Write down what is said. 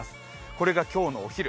これが今日のお昼。